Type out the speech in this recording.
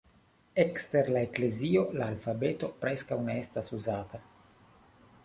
Ekster la eklezio la alfabeto preskaŭ ne estas uzata.